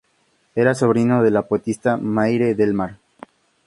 Era sobrino de la poetisa Meira Delmar.